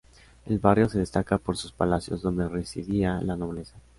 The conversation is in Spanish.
El Barrio se destaca por sus palacios, donde residía la nobleza.